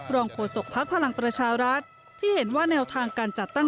โฆษกภักดิ์พลังประชารัฐที่เห็นว่าแนวทางการจัดตั้ง